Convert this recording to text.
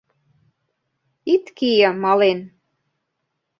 «ит кие мален»